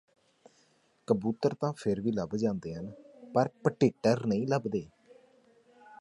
ਕਬੂਤਰ ਤਾਂ ਫੇਰ ਵੀ ਲੱਭ ਜਾਂਦੇ ਹਨ ਪਰ ਭਟਿਟਰ ਨਹੀਂ ਲੱਭਦੇ